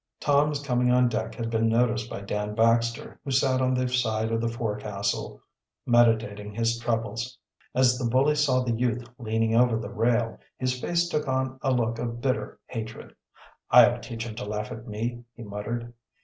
Tom's coming on deck had been noticed by Dan Baxter, who sat on the side of the fore castle, meditating on his troubles. As the bully saw the youth leaning over the rail, his face took on a look of bitter hatred. "I'll teach him to laugh at me!" he muttered.